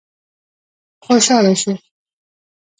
خوشاله شو.